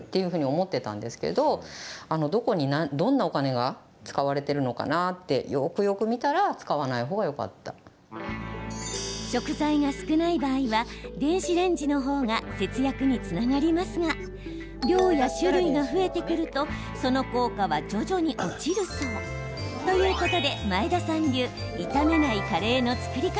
どこに、どんなお金が使われているのかなってよくよく見たら食材が少ない場合は電子レンジの方が節約につながりますが量や種類が増えてくるとその効果は徐々に落ちるそう。ということで、前田さん流炒めないカレーの作り方。